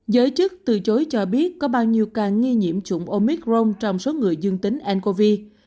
giới chức từ chối cho biết có bao nhiêu ca nghi nhiễm chủng omic rong trong số người dương tính ncov